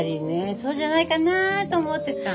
そうじゃないかなと思ってたの。